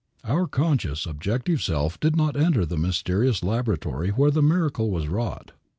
Our conscious, objective self did not enter the mysterious laboratory where the miracle was wrought.